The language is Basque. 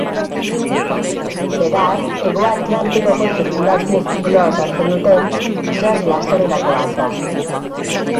Beraz, Hego Atlantikoko zirkulazio-zikloa osatzen duten itsaslasterretako bat da.